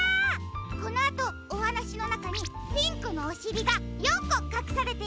このあとおはなしのなかにピンクのおしりが４こかくされているよ。